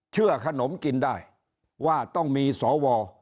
ขนมกินได้ว่าต้องมีสว